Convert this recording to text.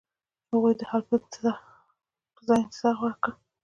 هغوی د حل په ځای انتظار غوره کړ.